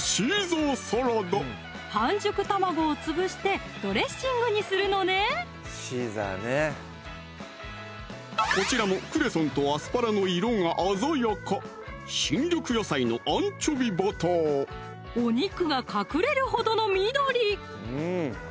半熟卵を潰してドレッシングにするのねこちらもクレソンとアスパラの色が鮮やかお肉が隠れるほどの緑！